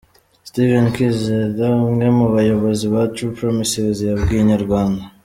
Steven Kwizera umwe mu bayobozi ba True Promises yabwiye Inyarwanda.